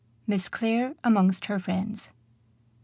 MISS CLARE AMONGST HER FRIENDS.